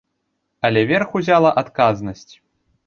Але верх узяла адказнасць.